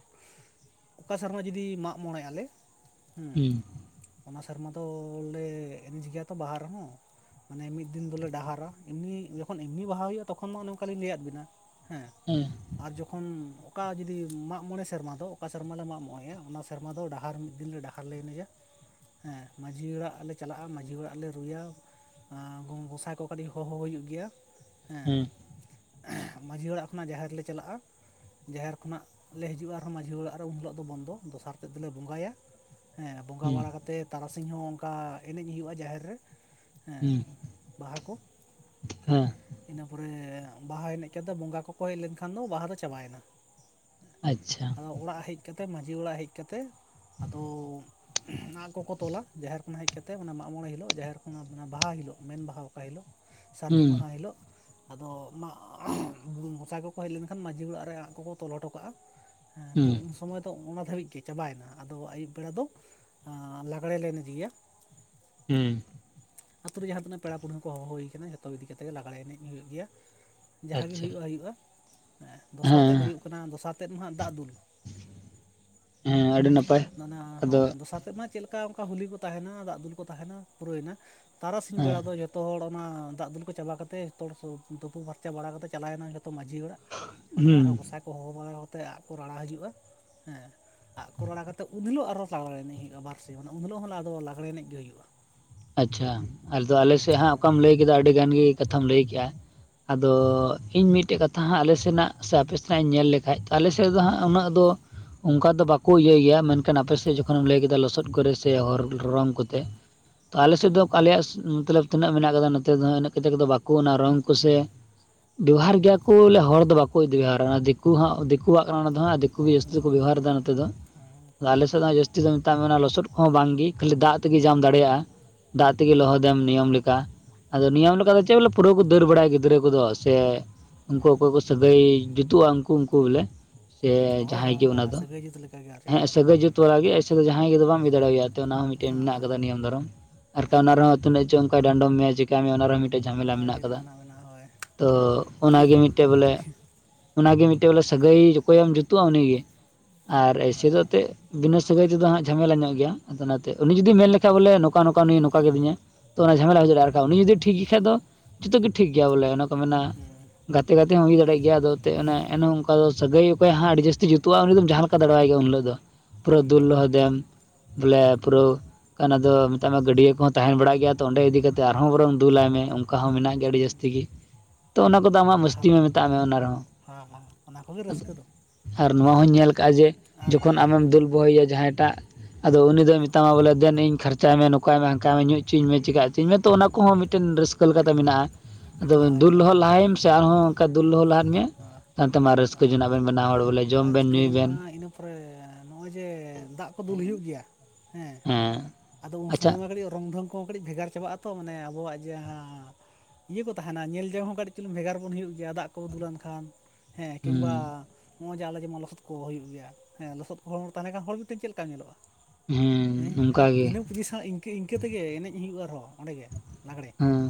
ᱚᱠᱟ ᱥᱮᱨᱢᱟ ᱡᱚᱫᱤ ᱢᱟᱜᱽ ᱢᱚᱬᱮ ᱟᱞᱮ ᱦᱮᱸ ᱦᱩᱸ ᱚᱱᱟ ᱥᱮᱨᱢᱟ ᱫᱚ ᱞᱮ ᱮᱱᱮᱡ ᱜᱮᱭᱟ ᱛᱚ ᱵᱟᱦᱟ ᱨᱮᱦᱚᱸ ᱢᱟᱱᱮ ᱢᱤᱫ ᱫᱤᱱ ᱫᱚᱞᱮ ᱰᱟᱦᱟᱨᱟ ᱮᱢᱱᱤ ᱡᱚᱠᱷᱚᱱ ᱮᱢᱱᱤ ᱵᱟᱦᱟ ᱦᱩᱭᱩᱜᱼᱟ ᱛᱚᱠᱷᱚᱱ ᱢᱟ ᱚᱱᱮ ᱚᱱᱠᱟ ᱞᱤᱧ ᱞᱟᱹᱭᱟᱫ ᱵᱤᱱᱟ ᱦᱮᱸ, ᱦᱮᱸ ᱾ ᱟᱨ ᱡᱚᱠᱷᱚᱱ ᱚᱠᱟ ᱡᱩᱫᱤ ᱢᱟᱜ ᱢᱚᱬᱮ ᱥᱮᱨᱢᱟ ᱫᱚ ᱚᱠᱟ ᱥᱮᱨᱢᱟᱞᱮ ᱢᱟᱜᱽ ᱢᱚᱬᱮᱼᱟ ᱚᱱᱟ ᱥᱮᱨᱢᱟ ᱫᱚ ᱰᱟᱦᱟᱨ ᱢᱤᱫ ᱫᱤᱱ ᱞᱮ ᱰᱟ ᱟᱨ ᱞᱮ ᱮᱱᱮᱡᱼᱟ ᱾ ᱦᱮᱸ, ᱢᱟᱺᱡᱷᱤ ᱚᱲᱟᱜ ᱞᱮ ᱪᱟᱞᱟᱜᱼᱟ ᱢᱟᱺᱡᱷᱤ ᱚᱲᱟᱜ ᱞᱮ ᱨᱩᱭᱟ ᱜᱚᱸᱥᱟᱭ ᱠᱚ ᱠᱟᱹᱴᱤᱡ ᱦᱚᱦᱚ ᱦᱩᱭᱩᱜ ᱜᱮᱭᱟ ᱦᱮᱸ ᱢᱟᱺᱡᱷᱤ ᱚᱲᱟᱜ ᱠᱷᱚᱱᱟᱜ ᱡᱟᱦᱮᱨ ᱞᱮ ᱪᱟᱞᱟᱜᱼᱟ ᱡᱟᱦᱮᱨ ᱠᱷᱚᱱᱟᱜ ᱞᱮ ᱦᱤᱡᱩᱜᱼᱟ ᱟᱨᱦᱚᱸ ᱢᱟᱹᱡᱷᱤ ᱚᱲᱟᱜ ᱨᱮ ᱩᱱ ᱦᱤᱞᱳᱜ ᱫᱚ ᱵᱚᱱᱫᱚ ᱫᱚᱥᱟᱨ ᱛᱮᱫ ᱫᱚᱞᱮ ᱵᱚᱸᱜᱟᱭᱟ, ᱦᱮᱸ, ᱵᱚᱸᱜᱟ ᱦᱩᱸ ᱵᱟᱲᱟ ᱠᱟᱛᱮ ᱛᱟᱨᱟᱥᱤᱧ ᱦᱚᱸ ᱚᱱᱠᱟ ᱮᱱᱮᱡ ᱦᱩᱭᱩᱜᱼᱟ ᱡᱟᱦᱮᱨ ᱨᱮ ᱦᱮᱸ ᱦᱩᱸ ᱵᱟᱦᱟ ᱠᱚ ᱦᱮᱸ ᱾ ᱤᱱᱟᱹ ᱯᱚᱨᱮ ᱵᱟᱦᱟ ᱮᱱᱮᱡ ᱠᱟᱛᱮ ᱵᱚᱸᱜᱟ ᱠᱚᱠᱚ ᱦᱮᱡ ᱞᱮᱱᱠᱷᱟᱱ ᱫᱚ ᱵᱟᱦᱟ ᱫᱚ ᱪᱟᱵᱟᱭᱮᱱᱟ ᱾ ᱟᱪᱪᱷᱟ ᱟᱫᱚ ᱚᱲᱟᱜ ᱦᱮᱡ ᱠᱟᱛᱮ ᱢᱟᱺᱡᱷᱤ ᱚᱲᱟᱜ ᱦᱮᱡ ᱠᱟᱛᱮ ᱟᱫᱚ ᱟᱜ ᱠᱚᱠᱚ ᱛᱚᱞᱟ ᱡᱟᱦᱮᱨ ᱦᱮᱡ ᱠᱟᱛᱮᱫ ᱚᱱᱟ ᱢᱟᱜ ᱢᱚᱬᱮ ᱦᱤᱞᱳ ᱡᱟᱦᱮᱨ ᱠᱷᱚᱱᱟᱜ ᱵᱟᱦᱟ ᱦᱤᱞᱳᱜ ᱢᱮᱱ ᱵᱟᱦᱟ ᱚᱠᱟ ᱦᱤᱞᱳᱜ ᱥᱟᱹᱨᱫᱤ ᱦᱩᱸ ᱢᱟᱦᱟ ᱦᱤᱞᱳᱜ ᱟᱫᱚ ᱚᱱᱟ ᱜᱚᱸᱥᱟᱭ ᱠᱚᱠᱚ ᱦᱮᱡ ᱞᱮᱱᱠᱷᱟᱱ ᱢᱟᱺᱡᱷᱤ ᱚᱲᱟᱜ ᱨᱮ ᱟᱜ ᱠᱚᱠᱚ ᱛᱚᱞᱚ ᱦᱚᱴᱚ ᱠᱟᱜᱼᱟ ᱦᱮᱸ ᱦᱩᱸ ᱛᱚᱢ ᱩᱱ ᱥᱚᱢᱚᱭ ᱫᱚ ᱚᱱᱟ ᱫᱷᱟᱹᱵᱤᱡ ᱜᱮ ᱪᱟᱵᱟᱭᱮᱱᱟ ᱟᱫᱚ ᱟᱹᱭᱩᱵ ᱵᱮᱲᱟ ᱫᱚ ᱟᱸ ᱞᱟᱜᱽᱲᱮ ᱞᱮ ᱮᱱᱮᱡᱜᱮᱭᱟ ᱾ ᱦᱮᱸ ᱾ ᱟᱹᱛᱩ ᱨᱮ ᱡᱟᱦᱟᱸ ᱛᱤᱱᱟᱹᱜ ᱯᱮᱲᱟ ᱯᱩᱱᱦᱟᱹ ᱠᱚ ᱦᱚᱦᱚ ᱦᱩᱭ ᱟᱠᱟᱱᱟ ᱡᱚᱛᱚ ᱤᱫᱤ ᱠᱟᱛᱮᱜ ᱜᱮ ᱞᱟᱜᱽᱲᱮ ᱮᱱᱮᱡ ᱦᱩᱭᱩᱜ ᱜᱮᱭᱟ ᱡᱟᱦᱟᱸᱜᱮ ᱟᱪᱪᱷᱟ ᱦᱩᱭᱩᱜᱼᱟ ᱦᱩᱭᱩᱜᱼᱟ ᱫᱚᱥᱟᱨ ᱛᱮᱫ ᱦᱮᱸ ᱦᱩᱭᱩᱜ ᱠᱟᱱᱟ ᱫᱚᱥᱟᱨ ᱛᱮᱫ ᱢᱟ ᱦᱟᱜ ᱫᱟᱜ ᱫᱩᱞ, ᱦᱮᱸ ᱟᱹᱰᱤ ᱱᱟᱯᱟᱭ ᱢᱟᱱᱮ ᱟᱫᱚ ᱦᱳᱭ ᱫᱚᱥᱟᱨ ᱛᱮᱫ ᱢᱟ ᱪᱮᱫᱞ ᱚᱱᱠᱟ ᱦᱩᱞᱤ ᱠᱚ ᱛᱟᱦᱮᱱᱟ ᱫᱟᱜ ᱫᱩᱞ ᱠᱚ ᱛᱟᱦᱮᱱᱟ ᱯᱩᱨᱟᱹᱭᱱᱟ ᱛᱟᱨᱟᱥᱤᱧ ᱦᱮᱸ ᱵᱮᱲᱟ ᱫᱚ ᱡᱚᱛᱚ ᱦᱚᱲ ᱢᱟ ᱫᱟᱜ ᱫᱩᱞ ᱠᱚ ᱪᱟᱵᱟ ᱠᱟᱛᱮ ᱡᱚᱛᱚ ᱦᱚᱲ ᱥᱩᱯ ᱛᱩᱯᱩ ᱯᱷᱟᱨᱪᱟ ᱵᱟᱲᱟ ᱠᱟᱛᱮ ᱪᱟᱞᱟᱣᱮᱱᱟ ᱡᱷᱚᱛᱚ ᱢᱟᱺᱡᱷᱤ ᱚᱲᱟᱜ ᱚᱸᱰᱮ ᱦᱩᱸ ᱟᱨᱦᱚᱸ ᱜᱚᱸᱥᱟᱭ ᱠᱚ ᱦᱚᱦᱚ ᱵᱟᱲᱟ ᱠᱟᱛᱮᱜ ᱟᱜ ᱠᱚ ᱨᱟᱲᱟ ᱦᱤᱡᱩᱜᱼᱟ ᱦᱮᱸ ᱟᱜ ᱠᱚ ᱨᱟᱲᱟ ᱠᱟᱛᱮᱫ ᱩᱱ ᱦᱤᱞᱳᱜ ᱟᱨᱚ ᱞᱟᱜᱽᱲᱮ ᱮᱱᱮᱡ ᱦᱩᱭᱩᱜᱼᱟ ᱵᱟᱨᱥᱤ ᱩᱱ ᱦᱤᱞᱳᱜ ᱦᱚᱸ ᱟᱫᱚ ᱞᱟᱜᱽᱰᱮ ᱮᱱᱮᱡ ᱜᱮ ᱦᱩᱭᱩᱜᱼᱟ ᱾ ᱟᱪᱪᱷᱟ, ᱟᱫᱚ ᱟᱞᱮᱥᱮᱫ ᱦᱟᱜ ᱚᱠᱟᱢ ᱞᱟᱹᱭ ᱠᱮᱫᱟ ᱟᱹᱰᱤ ᱜᱟᱱ ᱜᱮ ᱠᱟᱛᱷᱟᱢ ᱞᱟᱹᱭ ᱠᱮᱼᱟ, ᱟᱫᱚ ᱤᱧ ᱢᱤᱫᱴᱮᱡ ᱠᱟᱛᱷᱟ ᱦᱟᱸᱜ ᱟᱞᱮ ᱥᱮᱱᱟᱜ ᱥᱮ ᱟᱯᱮ ᱥᱮᱱᱟᱜ ᱤᱧ ᱧᱮᱞ ᱞᱮ ᱦᱮᱡ ᱛᱚ ᱟᱞᱮᱥᱮᱫ ᱫᱚ ᱦᱟᱜ ᱩᱱᱟᱹᱜ ᱫᱚ ᱚᱱᱠᱟ ᱫᱚ ᱵᱟᱠᱚ ᱤᱭᱟᱹᱭᱟ ᱢᱮᱱᱠᱷᱟᱱ ᱟᱯᱮ ᱥᱮᱫ ᱡᱚᱠᱷᱚᱱ ᱮᱢ ᱞᱟᱹᱭ ᱠᱮᱫᱟ ᱞᱚᱥᱚᱫ ᱠᱚᱨᱮ ᱥᱮ ᱦᱚᱨ ᱨᱚᱝ ᱠᱚᱛᱮ ᱟᱞᱮᱥᱮᱫ ᱫᱚ ᱟᱞᱮᱭᱟᱜ ᱢᱚᱛᱞᱚᱵ ᱛᱤᱱᱟᱹᱜ ᱢᱮᱱᱟᱜ ᱠᱟᱫᱟ ᱱᱚᱛᱮ ᱫᱚ ᱤᱱᱟᱹᱜ ᱠᱟᱛᱮ ᱵᱟᱠᱚ ᱚᱱᱟ ᱨᱚᱝ ᱠᱚᱥᱮ ᱵᱮᱣᱦᱟᱨ ᱜᱮᱭᱟ ᱠᱚ ᱵᱚᱞᱮ ᱦᱚᱲ ᱫᱚ ᱵᱟᱠᱚ ᱤᱫᱤ ᱵᱮᱣᱦᱟᱨᱟ ᱫᱤᱠᱩ ᱦᱚᱸ ᱫᱤᱠᱩᱣᱟᱜ ᱠᱟᱱᱟ ᱚᱱᱟ ᱫᱚ ᱦᱟᱜ ᱫᱤᱠᱩ ᱜᱮ ᱦᱮᱸ ᱡᱟᱹᱥᱛᱤ ᱠᱚ ᱫᱤᱠᱩᱣᱟᱜ ᱵᱮᱵᱚᱦᱟᱨ ᱠᱟᱱᱟ ᱮᱫᱟ ᱱᱚᱛᱮ ᱫᱚ ᱦᱮᱸ ᱟᱞᱮᱥᱮᱫ ᱫᱚ ᱡᱟᱹᱛᱤ ᱛᱚ ᱢᱮᱛᱟᱜ ᱢᱮ ᱚᱱᱟ ᱞᱚᱥᱚᱫ ᱠᱚᱦᱚᱸ ᱵᱟᱝᱜᱮ ᱠᱷᱟᱹᱞᱤ ᱫᱟᱜ ᱛᱮᱜᱮ ᱡᱟᱦᱟᱢ ᱫᱟᱲᱮᱭᱟᱜᱼᱟ ᱫᱟᱜ ᱦᱮᱸ ᱛᱮᱜᱮ ᱞᱚᱦᱚᱫᱮᱢ ᱱᱤᱭᱚᱢ ᱞᱮᱠᱟ ᱟᱫᱚ ᱱᱤᱭᱚᱢ ᱞᱮᱠᱟ ᱫᱚ ᱪᱮᱫ ᱦᱮᱸ ᱵᱚᱞᱮ ᱯᱩᱨᱟᱹ ᱠᱚ ᱫᱟᱹᱲ ᱵᱟᱲᱟᱭᱟ ᱜᱤᱫᱽᱨᱟᱹ ᱩᱱᱠᱩ ᱫᱚ ᱥᱮ ᱩᱱᱠᱩ ᱦᱮᱸ ᱚᱠᱚᱭ ᱠᱚ ᱥᱟᱹᱜᱟᱹᱭ ᱡᱩᱛᱩᱜᱼᱟ ᱩᱱᱠᱩ ᱩᱱᱠᱩ ᱵᱚᱞᱮ ᱥᱮ ᱦᱳᱭ ᱦᱳᱭ ᱡᱟᱦᱟᱸᱭ ᱜᱮ ᱚᱱᱠᱟ ᱚᱱᱟ ᱫᱚ ᱥᱟᱹᱜᱟᱹᱭ ᱡᱩᱛ ᱞᱮᱠᱟᱜᱮ ᱟᱨ ᱪᱮᱫ ᱦᱮᱸ ᱟᱞᱮ ᱫᱚ ᱥᱟᱹᱜᱟᱹᱭ ᱡᱩᱛ ᱵᱟᱞᱟᱜᱮ ᱮᱥᱮ ᱡᱟᱦᱟᱸᱭ ᱜᱮ ᱫᱚ ᱵᱟᱝ ᱤᱭᱟᱹ ᱫᱟᱲᱮᱭᱟ ᱛᱚ ᱚᱱᱟ ᱦᱚᱸ ᱢᱤᱫᱴᱮᱱ ᱢᱮᱱᱟᱜ ᱦᱳᱭ ᱟᱠᱟᱫᱟ ᱱᱤᱭᱚᱢ ᱫᱷᱚᱨᱚᱢ ᱟᱨ ᱵᱟᱝᱠᱷᱡ ᱚᱱᱟ ᱨᱮᱦᱚᱸᱛᱤᱱᱟᱹᱜ ᱪᱚᱸᱜ ᱚᱱᱠᱟᱭ ᱰᱟᱸᱰᱚᱢ ᱢᱮᱭᱟ ᱡᱤ ᱛᱮᱛᱟ ᱢᱮ ᱚᱱᱟ ᱨᱮᱦᱚᱸ ᱢᱤᱫᱴᱮᱡ ᱡᱷᱟᱢᱮᱞᱟ ᱦᱳᱭ ᱢᱮᱱᱟᱜ ᱠᱟᱫᱟ, ᱡᱩᱨᱤᱢᱟᱱᱟ ᱢᱮᱱᱟᱜᱼᱟ ᱦᱳᱭ ᱛᱚ ᱚᱱᱟ ᱜᱩᱨᱤᱡ ᱜᱮ ᱫᱟᱜ ᱠᱚᱠᱚ ᱢᱤᱫᱴᱮᱡ ᱧᱩ ᱵᱚᱞᱮ ᱦᱚᱪᱚ ᱢᱮᱭᱟ ᱚᱱᱟᱜᱮ ᱢᱤᱫᱴᱮᱡ ᱵᱚᱞᱮ ᱥᱟᱹᱜᱟᱹᱭ ᱚᱠᱚᱭ ᱮᱢ ᱡᱩᱛᱩᱜᱼᱟ ᱩᱱᱤᱜᱮ ᱟᱨ ᱮᱭᱥᱮ ᱫᱚ ᱛᱮ ᱵᱤᱱᱟᱹ ᱥᱟᱹᱜᱟᱹᱭ ᱛᱮᱫᱚ ᱦᱟᱸᱜ ᱡᱷᱟᱢᱮᱞᱟ ᱧᱚᱜ ᱜᱮᱭᱟ ᱟᱫᱚ ᱚᱱᱟᱛᱮ ᱩᱱᱤ ᱡᱩᱫᱤ ᱢᱮᱱ ᱞᱮᱠᱷᱟᱡ ᱵᱚᱞᱮ ᱱᱩ ᱱᱚᱠᱟ ᱱᱚᱠᱟ ᱱᱩᱭᱮ ᱱᱚᱠᱟ ᱠᱤᱫᱤᱧᱟ ᱛᱚ ᱚᱱᱟ ᱡᱷᱟᱢᱮᱞᱟ ᱦᱩᱭ ᱫᱟᱲᱮᱭᱟᱜᱼᱟ ᱩᱱᱤ ᱡᱩᱫᱤ ᱴᱷᱤᱠ ᱜᱮᱠᱷᱟᱡ ᱫᱚ ᱡᱚᱛᱚ ᱜᱮ ᱴᱷᱤᱠ ᱜᱮᱭᱟ ᱵᱚᱞᱮ ᱚᱱᱟ ᱠᱚ ᱢᱮᱱᱟ ᱜᱟᱛᱮ ᱜᱟᱛᱮ ᱦᱚᱸ ᱦᱩᱭ ᱫᱟᱲᱮᱜᱭᱟᱜ ᱜᱮᱭᱟ ᱟᱫᱚ ᱛᱮ ᱚᱱᱮ ᱮᱱᱦᱚᱸ ᱚᱱᱠᱟ ᱫᱚ ᱥᱟᱹᱜᱟᱹᱭ ᱚᱠᱭᱟᱜ ᱦᱟᱸᱜ ᱟᱹᱰᱤ ᱡᱟᱹᱥᱛᱤ ᱡᱛᱩᱜᱼᱟ ᱩᱱᱤ ᱫᱚᱢ ᱡᱟᱦᱟᱸ ᱞᱮᱼᱼ ᱠᱟ ᱫᱟᱲᱮᱣᱟᱭ ᱜᱮᱭᱟᱢ ᱩᱱ ᱦᱤᱞᱟᱹᱜ ᱫᱚ ᱯᱩᱨᱟᱹ ᱫᱩᱞ ᱞᱚᱦᱚᱫᱮᱢ ᱵᱚᱞᱮ ᱯᱩᱨᱟᱹ ᱠᱟᱱ ᱟᱫᱚᱼᱼ ᱛᱟᱭᱢᱮ ᱜᱟᱹᱰᱭᱟᱹ ᱠᱚᱦᱚᱸ ᱛᱟᱦᱮᱸ ᱵᱟᱲᱟᱜ ᱜᱮᱭᱟ ᱛᱚ ᱚᱸᱰᱮ ᱤᱫᱤ ᱠᱟᱛᱮᱜ ᱟᱨᱦᱚᱸ ᱵᱚᱨᱚᱝ ᱫᱩᱞᱟᱭ ᱢᱮ ᱚᱱᱠᱟ ᱦᱚᱸ ᱢᱮᱱᱟᱜ ᱜᱮᱭᱟ ᱟᱹᱰᱤ ᱡᱟᱹᱥᱛᱤ ᱜᱮᱼᱼ ᱛᱚ ᱚᱱᱟ ᱠᱚᱫᱚ ᱟᱢᱟᱜ ᱵᱟᱦᱟ ᱢᱟᱥᱛᱤ ᱫᱟᱜ ᱢᱮ ᱢᱮᱛᱟᱜ ᱢᱮ ᱚᱱᱟ ᱨᱮᱦᱚᱸ ᱚᱱᱟ ᱠᱚᱜᱮ ᱨᱟᱹᱥᱠᱟᱹ ᱫᱚ ᱟᱨ ᱱᱚᱣᱟ ᱦᱩᱧ ᱧᱮᱞ ᱠᱟᱜᱼᱟ ᱡᱮ ᱟᱨ ᱡᱚᱠᱷᱚᱱ ᱟᱢᱮᱢ ᱫᱩᱞ ᱵᱚᱦᱚᱭᱮᱭᱟ ᱡᱟᱦᱟᱸᱭᱼᱼ ᱮᱴᱟᱜ ᱟᱫᱚ ᱩᱱ ᱫᱚᱭ ᱢᱮᱛᱟᱢᱟ ᱵᱚᱞᱮ ᱫᱮᱱ ᱤᱧ ᱠᱷᱟᱨᱪᱟᱭ ᱢᱮ ᱱᱚᱠᱟᱭ ᱢᱮ ᱦᱟᱱᱠᱟᱭ ᱢᱮ ᱧᱩᱼᱼ ᱦᱩᱪᱩᱧ ᱢᱮ ᱪᱮᱠᱟ ᱦᱩᱪᱩᱧ ᱢᱮ ᱛᱚ ᱚᱱᱟ ᱠᱚᱦᱚᱸ ᱢᱤᱫᱴᱮᱱ ᱨᱟᱹᱥᱠᱟᱹ ᱞᱮᱠᱟᱛᱮ ᱢᱮᱱᱟᱜᱼᱟ ᱟᱫᱚ ᱦᱳᱭ ᱫᱩᱞ ᱦᱳᱭ ᱞᱚᱦᱚᱫ ᱞᱟᱦᱟᱭᱮᱢᱼᱼ ᱟᱨᱦᱚᱸ ᱚᱱᱠᱟ ᱫᱩᱞ ᱞᱚᱦᱚᱫ ᱞᱟᱦᱟᱱ ᱢᱮᱭᱟ ᱛᱟᱭᱚᱢᱛᱮ ᱢᱟ ᱨᱟᱹᱥᱠᱟᱹ ᱦᱳᱭ ᱡᱚᱱᱟᱜ ᱵᱮᱱ ᱵᱮᱱᱟ ᱦᱚᱲ ᱵᱚᱞᱮ ᱡᱚᱢ ᱟᱨ ᱵᱮᱱ ᱨᱟᱹᱥᱠᱟᱹ ᱧᱩᱭ ᱵᱮᱱ᱾ ᱡᱚᱝᱚᱜᱼᱟ ᱤᱱᱟᱹ ᱯᱚᱨᱮ ᱱᱚᱜᱼᱚᱭ ᱡᱮ ᱫᱟᱜ ᱠᱚ ᱫᱩᱞ ᱦᱩᱭᱩᱜ ᱜᱮᱭᱟ᱾ ᱦᱮᱸ ᱟᱫᱚ ᱩᱱ ᱟᱪᱪᱷᱟ ᱥᱚᱢᱚᱭ ᱢᱟ ᱠᱟᱹᱴᱤᱡ ᱨᱚᱝ ᱫᱷᱚᱝᱼᱼ ᱠᱚ ᱠᱟᱹᱴᱤᱡ ᱵᱷᱮᱜᱟᱨ ᱪᱟᱵᱟᱜ ᱟᱛᱚ ᱢᱟᱱᱮ ᱟᱵᱚᱣᱟᱜ ᱡᱟᱦᱟᱸᱼᱼ ᱤᱭᱟᱹ ᱠᱚ ᱛᱟᱦᱮᱱᱟ ᱧᱮᱞ ᱡᱚᱝ ᱦᱚᱸ ᱠᱟᱹᱴᱤᱡ ᱪᱩᱞᱩᱝ ᱵᱷᱮᱜᱟᱨ ᱵᱚᱱ ᱦᱩᱭᱩᱜ ᱜᱮᱭᱟ ᱫᱟᱜ ᱠᱚ ᱫᱩᱞᱟᱱ ᱠᱷᱟᱱ ᱦᱮᱸ ᱠᱤᱝ ᱵᱟᱼᱼ ᱦᱚᱸᱜᱼᱚᱭ ᱡᱮ ᱟᱞᱮ ᱢᱮᱢᱚᱱ ᱞᱚᱥᱚᱫ ᱠᱚ ᱦᱩᱭᱩᱜ ᱜᱮᱭᱟ ᱦᱮᱸ ᱞᱚᱥᱚᱫ ᱦᱚᱲᱢᱚ ᱨᱮ ᱛᱟᱦᱮᱸ ᱞᱮᱱᱠᱷᱟᱱ ᱦᱚᱲ ᱢᱮᱫᱴᱟᱝ ᱪᱮᱫ ᱞᱮᱠᱟᱢ ᱧᱮᱞᱚᱜᱼᱟ ᱦᱮᱸ ᱤᱱᱟᱹ ᱯᱚᱡᱤᱥᱚᱱ ᱤᱱᱠᱟᱹ ᱤᱱᱠᱟᱹ ᱛᱮᱜᱮ ᱮᱱᱮᱡ ᱦᱩᱭᱩᱜᱼᱟ ᱟᱨᱦᱚᱸᱼᱼ ᱚᱸᱰᱮ ᱜᱮ ᱞᱟᱜᱽᱲᱮ ᱦᱮᱸ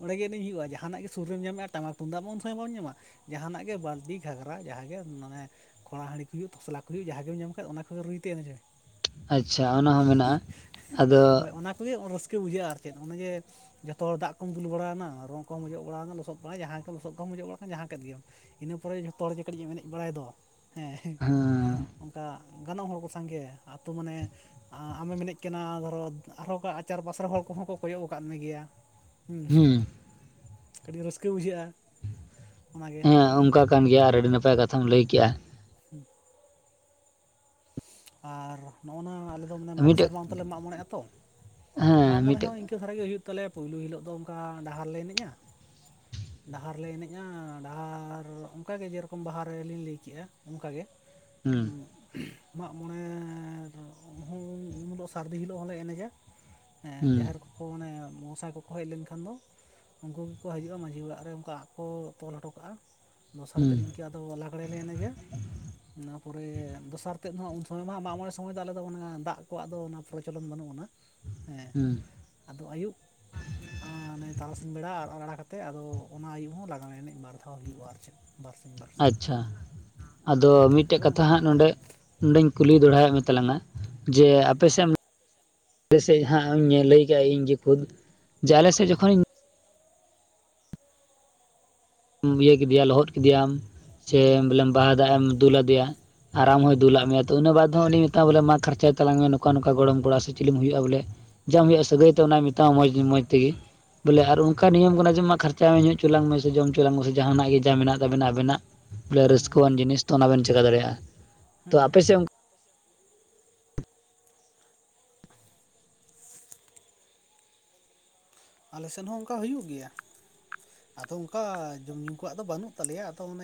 ᱚᱸᱰᱮᱜ ᱦᱩᱭᱩᱜᱼᱟ ᱡᱟᱦᱟᱱᱟᱜ ᱜᱮ ᱥᱩ ᱥᱩᱨ ᱨᱮᱢ ᱧᱟᱢᱮᱜᱼᱟ ᱴᱟᱢᱟᱠ ᱛᱩᱢᱫᱟᱜ ᱩᱱ ᱥᱚᱢᱚᱭ ᱵᱟᱢ ᱧᱟᱢᱟ ᱡᱟᱦᱟᱱᱟᱜ ᱜᱮ ᱵᱟᱞᱛᱤ ᱜᱷᱟᱜᱽᱨᱟ ᱡᱟᱦᱟᱸᱱᱟᱜ ᱜᱮ ᱢᱟᱱᱮᱼᱼ ᱠᱷᱚᱲᱟ ᱦᱟᱹᱰᱤ ᱠᱚ ᱦᱩᱭᱩᱜ ᱛᱚᱥᱞᱟ ᱠᱚ ᱦᱩᱭᱩᱜ ᱡᱟᱦᱟᱸ ᱜᱮᱢ ᱧᱟᱢ ᱠᱷᱟᱡ ᱚᱱᱟ ᱠᱚᱜᱮ ᱨᱩᱭᱛᱮ ᱮᱱᱮᱡ ᱢᱮ ᱟᱪᱪᱷᱟ ᱚᱱᱟ ᱦᱚᱸ ᱢᱮᱱᱟᱜᱼᱟ ᱟᱫᱚ ᱦᱳᱭ ᱚᱱᱟ ᱠᱚᱜᱮ ᱨᱟᱹᱥᱠᱟᱹ ᱵᱩᱡᱷᱟᱹᱜᱼᱟ ᱟᱨᱼᱼ ᱪᱮᱫ ᱚᱱᱮ ᱡᱮ ᱡᱷᱚᱛᱚ ᱦᱚᱲ ᱫᱟᱜ ᱠᱚᱢ ᱫᱩᱞ ᱵᱟᱲᱟ ᱭᱟᱱᱟ ᱨᱚᱝ ᱠᱚᱢ ᱚᱡᱚᱜᱼᱼ ᱚᱲᱟᱜ ᱞᱚᱥᱚᱫ ᱵᱟᱲᱟᱭ ᱡᱟᱦᱟᱸᱭ ᱜᱮ ᱞᱚᱥᱚᱫ ᱠᱚᱢ ᱢᱚᱡᱡᱚᱜ ᱵᱟᱲᱟᱜᱟᱱ ᱡᱟᱦᱟᱸ ᱠᱮᱫ ᱜᱮᱢ ᱤᱱᱟᱹ ᱯᱚᱨᱮ ᱡᱚᱛᱚ ᱦᱚᱲᱜᱮ ᱠᱟᱹᱴᱤᱡ ᱮᱢ ᱮᱱᱮᱡ ᱵᱟᱲᱟᱭ ᱫᱚ ᱦᱮᱸ ᱚᱱᱠᱟ ᱜᱟᱱᱚᱜ ᱦᱚᱲ ᱠᱚᱥᱟᱝᱜᱮ ᱟᱛᱳ ᱢᱟᱱᱮᱼᱼ ᱟᱢᱮᱢ ᱢᱮᱱᱮᱫ ᱠᱟᱱᱟ ᱫᱷᱚᱨᱚ ᱟᱨᱦᱚᱸ ᱪᱟᱨ ᱯᱟᱥ ᱨᱮ ᱦᱚᱲ ᱠᱚᱦᱚᱸ ᱠᱚ ᱠᱚᱭᱚᱜ ᱟᱠᱟᱫ ᱢᱮ ᱜᱮᱭᱟ᱾ ᱦᱩᱸ ᱦᱮᱸ ᱠᱟᱹᱴᱤᱡ ᱨᱟᱹᱥᱠᱟᱹ ᱵᱩᱡᱷᱟᱹᱜᱼᱟ ᱚᱱᱟᱜᱮᱼᱼ ᱦᱮᱸ ᱚᱱᱠᱟ ᱠᱟᱱ ᱜᱮᱭᱟ ᱟᱨ ᱟᱹᱰᱤ ᱱᱟᱯᱟᱭ ᱠᱟᱛᱷᱟᱢ ᱞᱟᱹᱭ ᱠᱮᱫᱼᱟ᱾ ᱦᱩᱸ ᱟᱨ ᱱᱚᱜᱼᱚ ᱱᱟ ᱟᱞᱮ ᱫᱚ ᱢᱚᱬᱮ ᱢᱤᱫᱴᱮᱡ ᱥᱮᱨᱢᱟ ᱚᱱᱛᱚᱨ ᱞᱮ ᱢᱟᱜ ᱢᱚᱬᱮᱜᱼᱟ ᱛᱚ ᱢᱟᱜ ᱦᱮᱸ ᱢᱚᱬᱮ ᱢᱤᱫᱴᱮᱡ ᱦᱚᱸᱼᱼ ᱤᱱᱠᱟᱹ ᱫᱷᱟᱨᱟ ᱜᱮ ᱦᱩᱭᱩᱜ ᱛᱟᱞᱮᱭᱟ ᱯᱩᱭᱞᱩ ᱦᱤᱞᱳᱜ ᱫᱚ ᱚᱱᱠᱟ ᱰᱟᱦᱟᱨ ᱞᱮ ᱮᱱᱮᱡᱼᱟ᱾ [inaudible] ᱰᱟᱦᱟᱨ ᱞᱮ ᱮᱱᱮᱡᱼᱟ ᱰᱟᱦᱟᱨ ᱚᱱᱠᱟᱜᱮ ᱡᱮᱨᱚᱠᱚᱢ ᱵᱟᱦᱟ ᱨᱮ ᱞᱤᱧ ᱞᱟᱹᱭ ᱠᱮᱫᱼᱟ ᱚᱱᱠᱟᱜᱮ᱾ ᱦᱮᱸ ᱢᱟᱜᱢᱚᱬᱮ ᱦᱚᱸ ᱩᱱ ᱦᱤᱞᱳᱜ ᱥᱟᱹᱨᱫᱤ ᱦᱤᱞᱳᱜ ᱦᱚᱸᱞᱮ ᱮᱱᱮᱡᱟ᱾ ᱦᱮᱸ ᱡᱟᱦᱮᱨ ᱠᱚᱠᱚ ᱢᱟᱱᱮ ᱢᱚᱸᱥᱟ ᱠᱚᱠᱚ ᱦᱮᱡ ᱞᱮᱱᱠᱷᱟᱱ ᱫᱚ ᱩᱱᱠᱩ ᱜᱮᱠᱚ ᱦᱤᱡᱩᱜᱼᱟ ᱢᱟᱺᱡᱷᱤ ᱚᱲᱟᱜ ᱨᱮ ᱚᱱᱠᱟ ᱟᱠᱚ ᱠᱚ ᱛᱚᱞ ᱦᱚᱴᱚ ᱠᱟᱜᱼᱟ᱾ ᱫᱚᱥᱟᱨ ᱛᱮᱫ ᱦᱩᱸ ᱤᱱᱝᱠᱟᱹ ᱟᱫᱚ ᱞᱟᱜᱽᱲᱮ ᱞᱟᱸᱜᱲᱮ ᱤᱱᱟᱹ ᱯᱚᱨᱮ ᱫᱚᱥᱟᱨᱼᱼ ᱛᱮᱫ ᱩᱱ ᱥᱚᱢᱚᱭ ᱢᱟ ᱢᱟᱸᱜ ᱢᱚᱜ ᱢᱚᱬᱮ ᱥᱚᱢᱚᱭ ᱫᱚ ᱟᱞᱮ ᱫᱚ ᱚᱱᱟ ᱫᱟᱜ ᱠᱚ ᱟᱫᱚ ᱚᱱᱟ ᱯᱨᱚᱞᱚᱱ ᱵᱟᱹᱱᱩᱜ ᱟᱱᱟᱹᱜᱼᱼ ᱦᱮᱸ ᱦᱩᱸ ᱟᱫᱚ ᱟᱹᱭᱩᱵᱼᱼ ᱮ ᱚᱱᱮ ᱛᱟᱨᱟᱥᱤᱧ ᱵᱮᱲᱟ ᱟᱨ ᱵᱟᱲᱟ ᱠᱟᱛᱮᱫ ᱟᱫᱚ ᱚᱱᱟ ᱟᱹᱭᱩᱵ ᱦᱚᱸ ᱞᱟᱜᱟᱱᱮ ᱮᱱᱮᱡ ᱵᱟᱨ ᱫᱷᱟᱣ ᱦᱩᱭᱩᱜᱼᱟ ᱟᱨ ᱪᱮᱫᱼᱼ ᱵᱟᱟᱨᱥᱤᱝ ᱵᱟᱨ ᱟᱪᱪᱷᱟ ᱟᱫᱚ ᱟᱞᱮ ᱢᱤᱫᱴᱮᱡ ᱫᱚ ᱠᱟᱛᱷᱟ ᱚᱱᱠᱟ ᱦᱟᱸᱜ ᱢᱟᱜ ᱱᱚᱰᱮ ᱢᱚᱬᱮᱭᱟ ᱱᱚᱸᱰᱮᱧ ᱠᱩᱞᱤ ᱫᱚᱲᱦᱟᱭᱮᱫ ᱢᱮ ᱛᱟᱞᱟᱝᱼᱟ ᱡᱮ ᱦᱩᱸ ᱟᱯᱮᱥᱮᱫ ᱟᱞᱮ ᱥᱮᱫ ᱦᱟᱸᱜ ᱤᱧ ᱞᱟᱹᱭ ᱠᱟᱜᱼᱟ ᱤᱧ ᱡᱮ ᱠᱷᱩᱫ ᱡᱮ ᱟᱞᱮ ᱦᱩᱸ ᱡᱚᱠᱷᱚᱡᱼᱼ ᱤᱭᱟᱹ ᱠᱮᱫᱮᱭᱟ ᱞᱚᱦᱚᱫ ᱠᱮᱫᱮᱟᱢ ᱥᱮ ᱦᱩᱸ ᱵᱚᱞᱮ ᱵᱟᱦᱟ ᱫᱟᱜ ᱮᱢ ᱫᱩᱞᱟᱫᱮᱭᱟ᱾ ᱟᱨ ᱟᱢ ᱦᱚᱭ ᱦᱩᱸ ᱫᱩᱞᱟᱜ ᱢᱮᱭᱟ᱾ ᱛᱚ ᱩᱱᱟᱹᱜ ᱵᱟᱨ ᱛᱮᱦᱚᱸ ᱩᱱᱤ ᱢᱮᱛᱟᱭᱟ ᱵᱚᱞᱮ ᱢᱟ ᱠᱷᱟᱨᱪᱟᱭ ᱛᱟᱞᱟᱝ ᱢᱮ ᱱᱚᱠᱟ ᱱᱚᱠᱟ ᱜᱚᱲᱚᱢ ᱠᱚᱲᱟ ᱥᱮ ᱪᱤᱞᱤᱢ ᱦᱩᱭᱩᱜᱼᱟ ᱵᱚᱞᱮ ᱡᱟᱢ ᱦᱩᱭᱩᱜᱼᱟ ᱥᱟᱹᱜᱟᱹᱭ ᱛᱮ ᱚᱱᱟᱭ ᱢᱮᱛᱟᱢᱟ ᱢᱚᱡᱽ ᱢᱚᱡᱽ ᱛᱮᱜᱮ ᱵᱚᱞᱮ ᱟᱨ ᱦᱩᱸ ᱚᱱᱠᱟᱼᱼ ᱚᱱᱠᱟ ᱱᱤᱭᱚᱢ ᱠᱟᱱᱟ ᱡᱮ ᱢᱟ ᱠᱷᱚᱨᱪᱟᱭ ᱢᱮ ᱧᱩ ᱦᱚᱪᱞᱟᱝ ᱢᱮ ᱥᱮ ᱡᱚᱢ ᱦᱚᱪᱚᱞᱟᱝ ᱢᱮ ᱥᱮ ᱡᱟᱦᱟᱱᱟᱜ ᱜᱮ ᱡᱟ ᱢᱮᱱᱟᱜ ᱟᱵᱮᱱᱟᱜ ᱟᱵᱮᱱᱟᱜ ᱵᱚᱞᱮ ᱦᱩᱸ ᱨᱟᱹᱥᱠᱟᱹᱣᱟᱱ ᱡᱤᱱᱤᱥ ᱛ ᱚᱱᱟ ᱵᱮᱱ ᱪᱮᱠᱟ ᱫᱟᱲᱮᱭᱟᱜᱼᱟ ᱛᱚ ᱦᱩᱸ ᱟᱯᱮ ᱥᱮᱫ ᱟᱞᱮᱥᱮᱱ ᱦᱚᱸ ᱚᱱᱠᱟ ᱦᱩᱭᱩᱜ ᱜᱮᱭᱟ ᱟᱫᱚ ᱚᱱᱠᱟ ᱡᱚᱢᱼᱧᱩ ᱠᱚᱣᱟᱜ ᱫᱚ ᱵᱟᱹᱱᱩᱜ ᱛᱟᱞᱮᱭᱟ ᱟᱫᱚ ᱚᱱᱮ